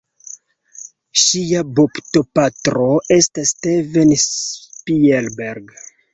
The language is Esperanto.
Ŝia baptopatro estas Steven Spielberg.